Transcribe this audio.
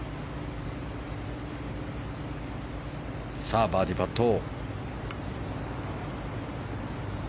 さあ、バーディーパット。